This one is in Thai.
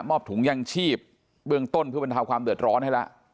มอบถุงยั่งชีพเบื้องต้นเพื่อเป็นทาวความเดือดร้อนให้ละ